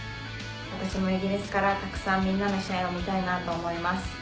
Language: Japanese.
私もイギリスからたくさんみんなの試合を見たいなと思います。